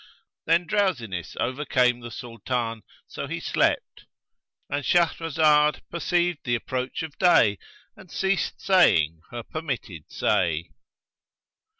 Then drowsiness overcame the Sultan, so he slept;[FN#129]—And Shahrazad perceived the approach of day and ceased saying her permitted say.